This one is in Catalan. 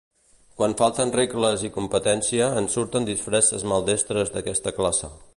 Quan falten regles i competència en surten disfresses maldestres d'aquesta classe.